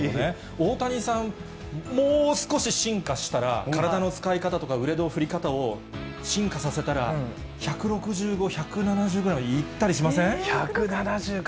大谷さん、もう少し進化したら、体の使い方とか、腕の振り方を進化させたら１６５、１７０ぐらいまでいったりしませ１７０か。